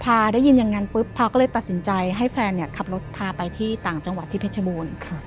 พอได้ยินอย่างนั้นปุ๊บพาก็เลยตัดสินใจให้แฟนขับรถพาไปที่ต่างจังหวัดที่เพชรบูรณ์